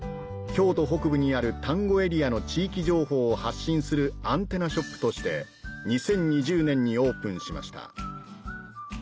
京都北部にある丹後エリアの地域情報を発信するアンテナショップとして２０２０年にオープンしました